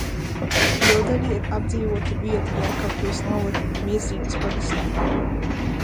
Jodeļi ir apdzīvota vieta Jēkabpils novada Viesītes pagastā.